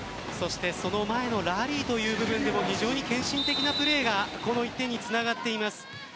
その前のラリーという部分でも非常に献身的なプレーがこの１点につながっています。